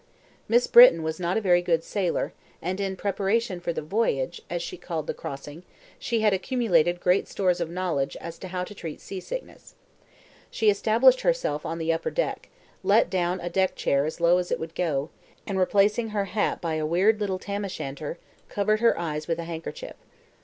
Miss Britton was not a very good sailor, and in preparation for "the voyage," as she called the crossing, had accumulated great stores of knowledge as to how to treat seasickness. She established herself on the upper deck, let down a deck chair as low as it would go, and replacing her hat by a weird little Tam o' Shanter, covered her eyes with a handkerchief.